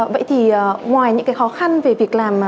vậy thì ngoài những cái khó khăn về việc làm